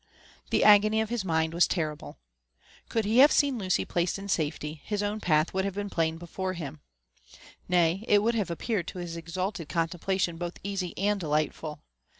The agony of his mind was terrible. Could he have seen Lucy placed in safety, his own path would have been plain before him ;— nay, it would have appeared to his exalted contemplation both easy and delightful.